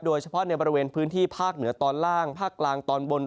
โดยเฉพาะในบริเวณพื้นที่ภาคเหนือตอนล่างภาคกลางตอนบน